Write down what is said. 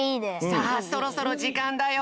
さあそろそろじかんだよ。